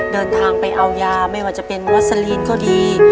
เดินทางไปเอายาไม่ว่าจะเป็นวัสลีนก็ดี